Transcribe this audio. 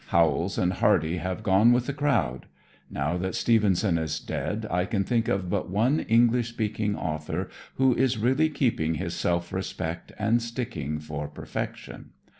Howells and Hardy have gone with the crowd. Now that Stevenson is dead I can think of but one English speaking author who is really keeping his self respect and sticking for perfection.